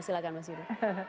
silahkan mas yudi